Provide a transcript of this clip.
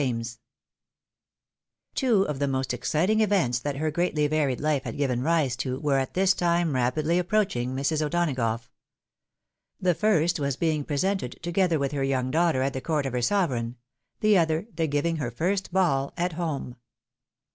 CHAPTER XXXI. Two of the most exciting events that her greatly varied life had given rise to, were at this time rapidly approaching Mrs. O'Donagough. The first was being presented, together with her young daughter, at the court of her sovereign ; the other, the giving her first ball at home.